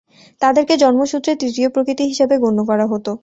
তাদেরকে জন্মসূত্রে তৃতীয় প্রকৃতি হিসেবে গণ্য করা হতো।